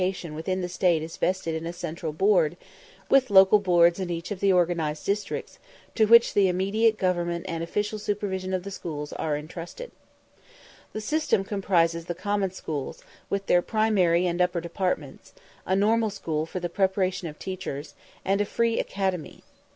The general management of education within the State is vested in a central board, with local boards in each of the organised districts, to which the immediate government and official supervision of the schools are intrusted. The system comprises the common schools, with their primary and upper departments, a normal school for the preparation of teachers, and a free academy.